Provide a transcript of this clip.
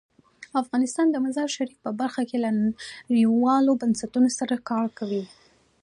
افغانستان د مزارشریف په برخه کې له نړیوالو بنسټونو سره کار کوي.